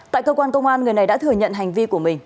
tại cơ quan công an người này đã thừa nhận hành vi của mình